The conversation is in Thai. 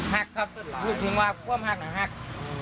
หักครับถึงว่าความหักหัก